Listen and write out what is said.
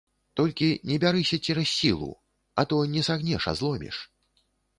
Толькі не бярыся цераз сілу, а то не сагнеш, а зломіш.